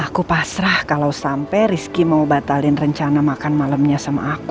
aku pasrah kalau sampai rizky mau batalin rencana makan malamnya sama aku